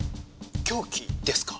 凶器ですか？